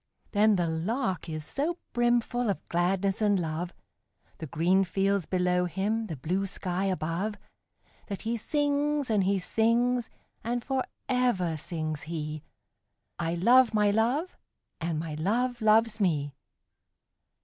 But the Lark is so brimful of gladness and love, The green fields below him, the blue sky above, That he sings, and he sings; and for ever sings he 'I love my Love, and my Love loves me!'